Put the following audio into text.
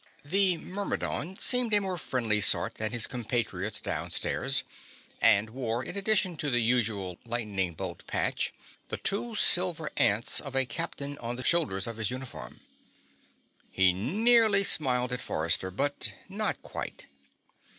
The Myrmidon seemed a more friendly sort than his compatriots downstairs, and wore in addition to the usual lightning bolt patch the two silver ants of a Captain on the shoulders of his uniform. He nearly smiled at Forrester but not quite.